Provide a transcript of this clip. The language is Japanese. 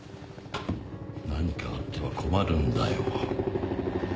何かあっては困るんだよ。